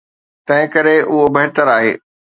تنهنڪري اهو بهتر آهي.